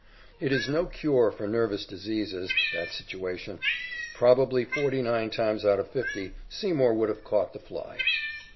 It is no cure for nervous diseases, that situation. Probably forty nine times out of fifty Seymour would have caught the fly.